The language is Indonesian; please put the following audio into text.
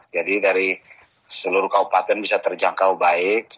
jadi dari seluruh kaupaten bisa terjangkau baik